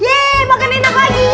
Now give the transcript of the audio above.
yeee makan enak lagi